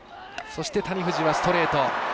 そして谷藤はストレート。